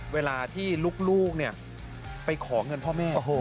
เวลาที่ลูกไปขอเงินพ่อแม่